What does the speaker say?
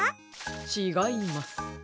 ちがいます。